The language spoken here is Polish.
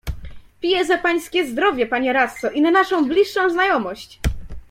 "Piję za pańskie zdrowie, panie radco i na naszą bliższą znajomość!"